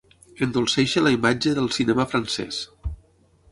Endolceixi la imatge del cinema francès.